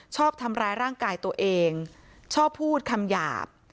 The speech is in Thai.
ชอบทำร้ายร่างกายตัวเองชอบพูดคำหยาบ